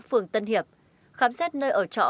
phường tân hiệp khám xét nơi ở trọ